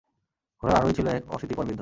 ঘোড়ার আরোহী ছিল এক অশীতিপর বৃদ্ধ।